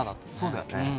そうだよね。